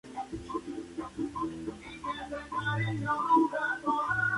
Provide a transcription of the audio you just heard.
La provincia de Batman es importante debido a sus reservas petrolíferas.